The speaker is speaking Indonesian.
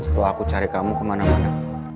setelah aku cari kamu kemana mana